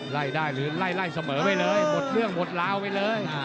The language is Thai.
ไล่ได้หรือไล่เสมอไปเลยหมดเรื่องหมดลาวไปเลย